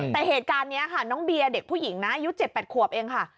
แต่เหตุการณ์นี้ค่ะน้องเบียร์เด็กผู้หญิงนะอายุ๗๘ขวบเองค่ะ